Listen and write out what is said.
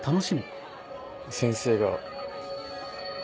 先生が。